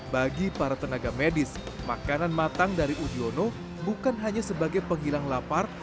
bagi para tenaga medis makanan matang dari udiono bukan hanya sebagai penghilang lapar